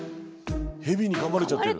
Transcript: ヘビにかまれちゃってる。